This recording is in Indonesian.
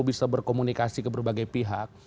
bisa berkomunikasi ke berbagai pihak